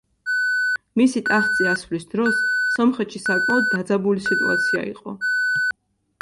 მისი ტახტზე ასვლის დროს სომხეთში საკმაოდ დაძაბული სიტუაცია იყო.